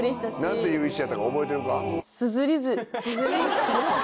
何ていう石やったか覚えてるか？